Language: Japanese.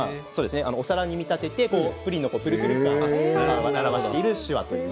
手をお皿に見立ててプリンのぷるぷる感を表している手話。